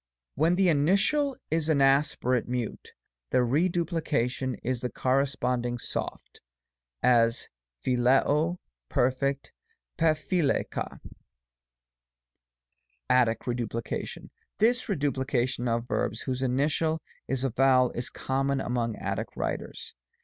When the initial is an aspirate Mute, the reduplication is in the corresponding soft (§6. 9) ; as, (piXs'COy Perf. TttcpiXri xu. ATTIC REDUPLICATION. This reduplication of verbs, whose initial is a vowel, is common among Attic writers.